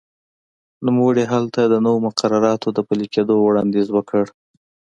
نوموړي هلته د نویو مقرراتو د پلي کېدو وړاندیز وکړ.